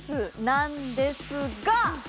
なんですが！